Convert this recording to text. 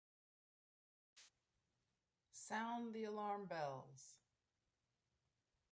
Sound the alarm bells!